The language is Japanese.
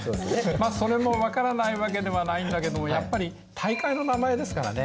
まあそれも分からないわけではないんだけどもやっぱり大会の名前ですからね。